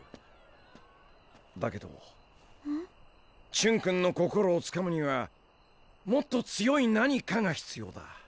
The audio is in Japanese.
チュンくんの心をつかむにはもっと強い何かがひつようだ！